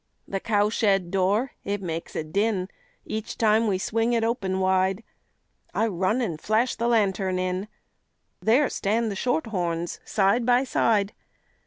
The cow shed door, it makes a din Each time we swing it open wide; I run an' flash the lantern in, There stand the shorthorns side by side.